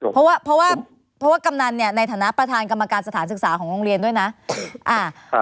เพราะว่าเพราะว่ากำนันเนี่ยในฐานะประธานกรรมการสถานศึกษาของโรงเรียนด้วยนะ